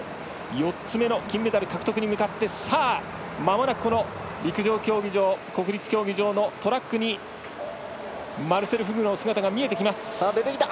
４つ目の金メダル獲得に向かってまもなく陸上競技場国立競技場のトラックにマルセル・フグの姿が見えてきます。